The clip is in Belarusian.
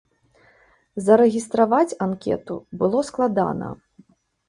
Зарэгістраваць анкету было складана.